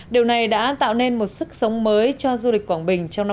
điều này đã tạo nên một sức sống mới cho du lịch quảng bình trong năm hai nghìn hai mươi